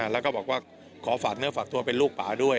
แล้วก็บอกว่าขอฝากเนื้อฝากตัวเป็นลูกป่าด้วย